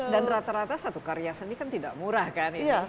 dan rata rata satu karya seni kan tidak murah kan